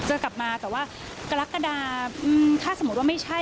จะกลับมาแต่ว่ากรกฎาถ้าสมมุติว่าไม่ใช่